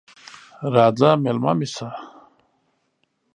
راځه مېلمه مې سه!